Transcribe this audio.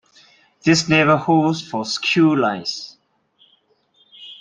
This never holds for skew lines.